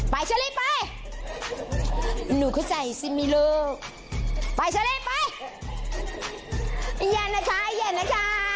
ไปเฉลี่ยไปหนูเข้าใจสิมีลูกไปเฉลี่ยไปอียันนะคะอียันนะคะ